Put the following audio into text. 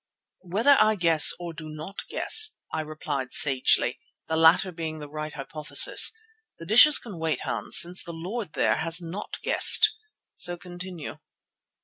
"Whether I guess or do not guess," I replied sagely, the latter being the right hypothesis, "the dishes can wait, Hans, since the Lord there has not guessed; so continue."